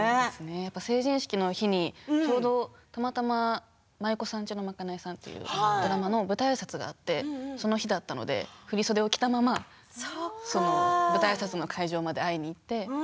やっぱり成人式の日にちょうどたまたま「舞妓さんちのまかないさん」というドラマの舞台あいさつがあってその日だったので振り袖を着たまま舞台あいさつの会場まで会いに行って。